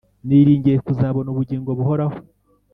niringiye kuzabona ubugingo buhoraho